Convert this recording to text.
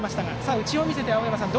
内を見せて、青山さん